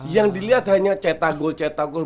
yang dilihat hanya cetak gol cetak gol